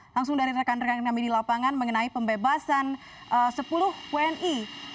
langsung dari rekan rekan kami di lapangan mengenai pembebasan sepuluh wni